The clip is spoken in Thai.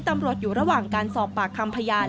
ตำรวจอยู่ระหว่างการสอบปากคำพยาน